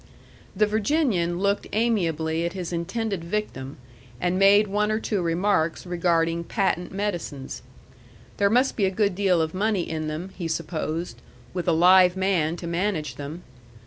The Virginian looked amiably at his intended victim, and made one or two remarks regarding patent medicines. There must be a good deal of money in them, he supposed, with a live man to manage them.